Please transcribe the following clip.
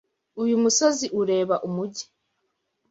Uyu musozi ureba umujyi.